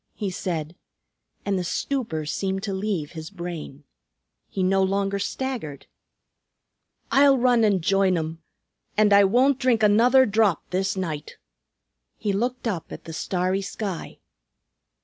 he said, and the stupor seemed to leave his brain. He no longer staggered. "I'll run an' join 'em, an' I won't drink another drop this night." He looked up at the starry sky.